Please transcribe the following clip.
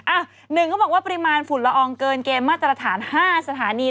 ๑เขาบอกว่าปริมาณฝุ่นละอองเกินเกมมาตรฐาน๕สถานี